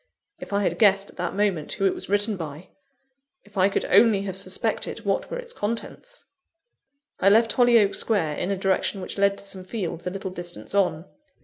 If I had guessed at that moment who it was written by! If I could only have suspected what were its contents! I left Hollyoake Square in a direction which led to some fields a little distance on.